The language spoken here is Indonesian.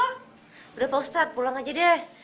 sudah pak ustadz pulang aja deh